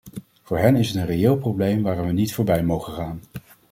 Voor hen is het een reëel probleem waaraan we niet voorbij mogen gaan.